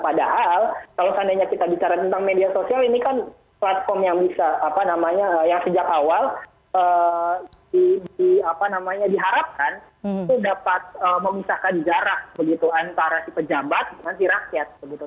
padahal kalau seandainya kita bicara tentang media sosial ini kan platform yang bisa apa namanya yang sejak awal diharapkan itu dapat memisahkan jarak begitu antara si pejabat dengan si rakyat